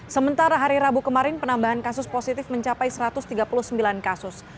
sementara hari rabu kemarin penambahan kasus positif mencapai satu ratus tiga puluh sembilan kasus